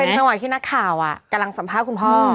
เป็นจังหวัดที่ว่านักข่าวกำลังสัมภาพคุณพ่อ